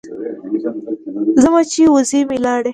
ځمه چې وزې مې لاړې.